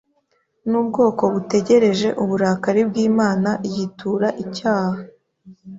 n’ubwoko butegereje uburakari bw’Imana yitura icyaha